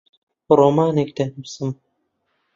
ڕۆمانێک دەنووسم.